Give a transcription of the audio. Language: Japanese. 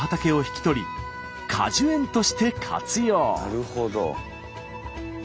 なるほど！